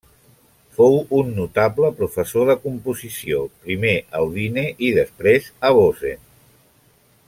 Fou un notable professor de composició, primer a Udine i després a Bozen.